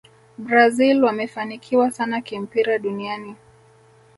brazil wamefanikiwa sana kimpira duniani